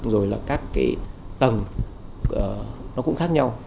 rồi là các cái tầng nó cũng khác nhau